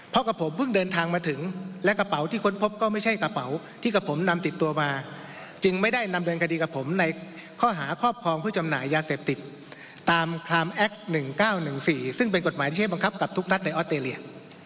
เพราะกับผมเพิ่งเดินทางมาถึงและกระเป๋าที่ค้นพบก็ไม่ใช่กระเป๋าที่กับผมนำติดตัวมาจึงไม่ได้นำเดินคดีกับผมในข้อหาครอบครองเพื่อจำหน่ายยาเสพติดตามคลามแอค๑๙๑๔ซึ่งเป็นกฎหมายที่ให้บังคับกับทุกนัดในออสเตรเลีย